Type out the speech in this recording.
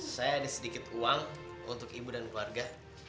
saya ada sedikit uang untuk ibu dan keluarga